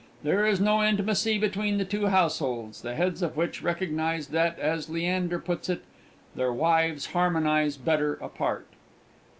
There is no intimacy between the two households, the heads of which recognise that, as Leander puts it, "their wives harmonise better apart."